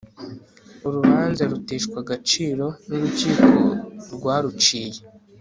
urubanza ruteshwa agaciro n urukiko rwaruciye